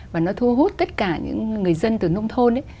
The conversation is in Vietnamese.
và nó thu hút tất cả những người dân từ nông thôn ấy